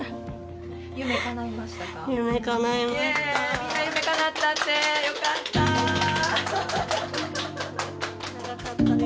みんな夢かなったってよかった長かったね